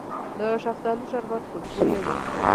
د شفتالو شربت خوشبويه وي.